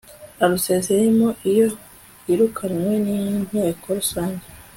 arusezeyemo iyo yirukanwe n'inteko rusange